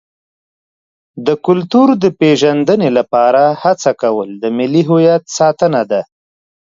د کلتور د پیژندنې لپاره هڅه کول د ملي هویت ساتنه ده.